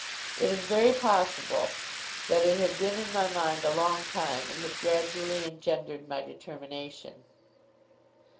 It is very possible that it had been in my mind a long time, and had gradually engendered my determination.